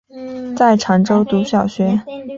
在常州读小学。